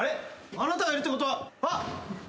あなたがいるってことはあっ！